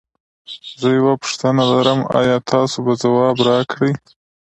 زه یوه پوښتنه لرم ایا تاسو به ځواب راکړی؟